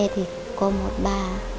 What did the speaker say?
thì có một bà